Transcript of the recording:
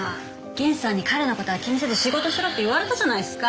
源さんに彼のことは気にせず仕事しろって言われたじゃないっすか。